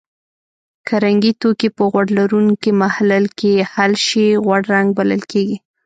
که رنګي توکي په غوړ لرونکي محلل کې حل شي غوړ رنګ بلل کیږي.